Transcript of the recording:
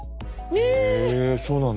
へえそうなんだ！